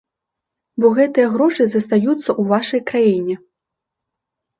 Бо гэтыя грошы застаюцца ў вашай краіне.